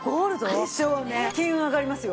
金運上がりますよ。